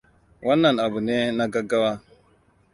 Wannan abu ne na gaggawa.